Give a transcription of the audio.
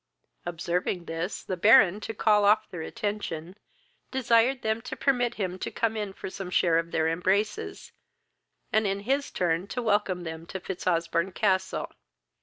Observing this, the Baron, to call off their attention, desired them to permit him to come in for some share of their embraces, and in his turn to welcome them to Fitzosbourne castle.